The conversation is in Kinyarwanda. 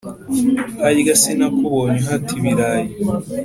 harya sinakubonye uhata ibirayi!’